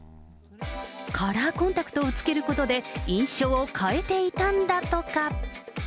カラーコンタクトをつけることで印象を変えていたんだとか。